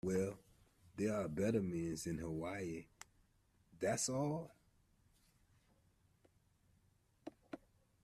Well, there are better men in Hawaii, that's all.